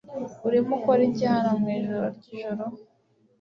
Urimo ukora iki hano mwijoro ryijoro